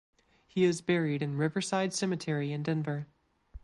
He is buried in Riverside Cemetery in Denver.